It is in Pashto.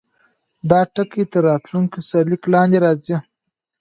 دا ټکی تر راتلونکي سرلیک لاندې راځي.